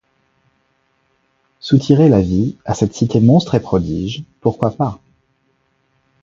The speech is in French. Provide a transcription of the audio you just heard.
Soutirer la vie à cette cité monstre et prodige, pourquoi pas?